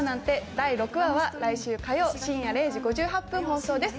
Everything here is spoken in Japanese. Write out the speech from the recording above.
第６話は来週火曜深夜０時５８分放送です。